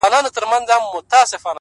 • ګورئ تر خلوته چي خُمونه غلي غلي وړي,”,